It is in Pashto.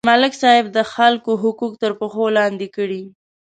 ملک صاحب د خلکو حقوق تر پښو لاندې کړي.